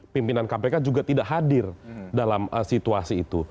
pimpinan kpk juga tidak hadir dalam situasi itu